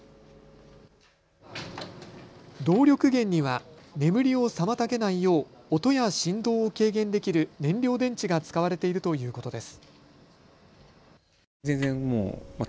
動力源には眠りを妨げないよう音や振動を軽減できる燃料電池が使われているということです。